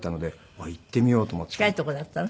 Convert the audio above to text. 近い所だったの？